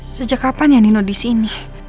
sejak kapan ya nino disini